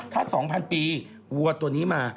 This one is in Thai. ถ้า๒๐๐๐ปีวัวตัวนี้มา